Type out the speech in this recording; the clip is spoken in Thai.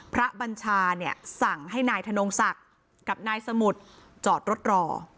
บัญชาเนี่ยสั่งให้นายธนงศักดิ์กับนายสมุทรจอดรถรอ